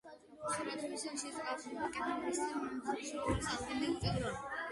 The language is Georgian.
სურათებს, შემოსასვლელში, კედლის მნიშვნელოვანი ადგილი უჭირავს.